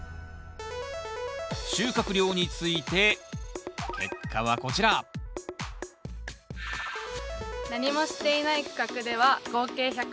収穫量について結果はこちら何もしていない区画では合計１０７ｇ。